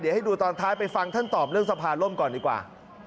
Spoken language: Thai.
เดี๋ยวให้ดูตอนท้ายไปฟังท่านตอบเรื่องสภาร่มก่อนดีกว่า